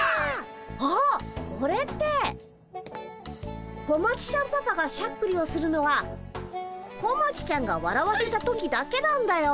あっこれって小町ちゃんパパがしゃっくりをするのは小町ちゃんがわらわせた時だけなんだよ。